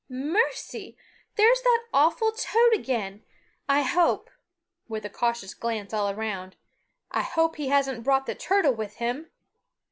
"Mercy! there's that awful toad again. I hope" with a cautious glance all round "I hope he hasn't brought the turtle with him."